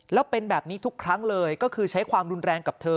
แล้วเป็นแบบนี้ทุกครั้งเลยก็คือใช้ความรุนแรงกับเธอ